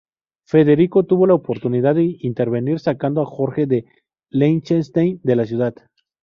Federico tuvo la oportunidad de intervenir, sacando a Jorge de Liechtenstein de la ciudad.